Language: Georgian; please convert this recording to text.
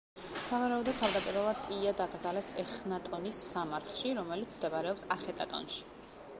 სავარაუდოდ, თავდაპირველად ტიია დაკრძალეს ეხნატონის სამარხში, რომელიც მდებარეობს ახეტატონში.